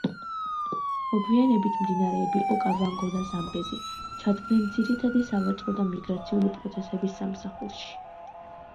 მოგვიანებით მდინარეები ოკავანგო და ზამბეზი ჩადგნენ ძირითადი სავაჭრო და მიგრაციული პროცესების სამსახურში.